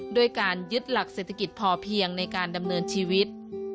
ด้วยการยึดหลักเศรษฐกิจพอเพียงในการดำเนินชีวิต